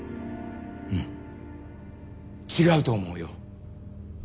うん違うと思うよ。